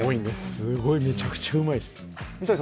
すごい、めちゃくちゃうまいです。